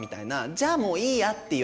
「じゃあもういいや！」っていう